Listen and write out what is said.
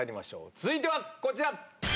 続いてはこちら。